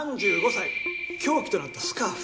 凶器となったスカーフ。